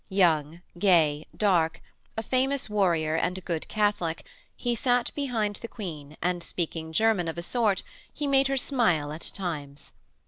Young, gay, dark, a famous warrior and a good Catholic, he sat behind the Queen and speaking German of a sort he made her smile at times.